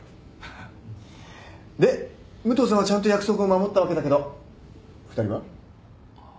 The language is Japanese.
で武藤さんはちゃんと約束を守ったわけだけど２人は？